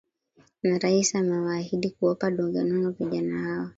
na rais amewaahidi kuwapa donge nono vijana hawa